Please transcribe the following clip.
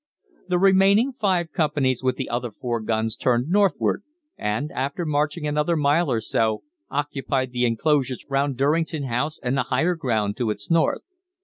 The remaining five companies with the other four guns turned northward, and after marching another mile or so occupied the enclosures round Durrington House and the higher ground to its north.